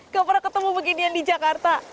gak pernah ketemu beginian di jakarta